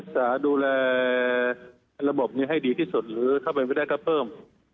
จะดูแลระบบนี้ให้ดีที่สุดหรือถ้าเป็นไม่ได้ก็เพิ่ม